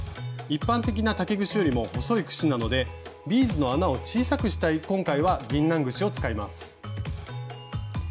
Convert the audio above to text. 一般的な竹串よりも細い串なのでビーズの穴を小さくしたい今回はぎんなん串を使います。